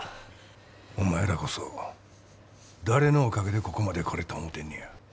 お前らこそ誰のおかげでここまで来れた思うてんねや。